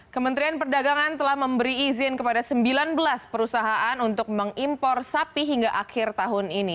kementerian perdagangan telah memberi izin kepada sembilan belas perusahaan untuk mengimpor sapi hingga akhir tahun ini